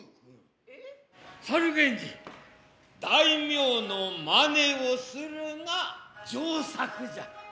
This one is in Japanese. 猿源氏大名の眞似をするが上策じゃ。